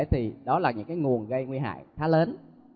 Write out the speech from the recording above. thì đó là những cái nguồn gây nguy hại khá lớn